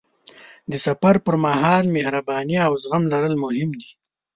د سفر پر مهال مهرباني او زغم لرل مهم دي.